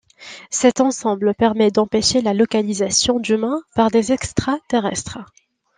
Cet ensemble permet d'empêcher la localisation d'humains par des extra-terrestres.